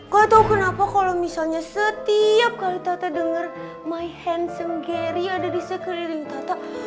gak tau kenapa kalo misalnya setiap kali tata denger my handsome gary ada di sekitarin tata